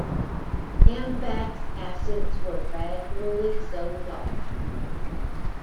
Amfac's assets were gradually sold off.